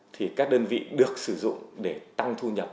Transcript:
thì các đơn vị được sử dụng để tăng thu nhập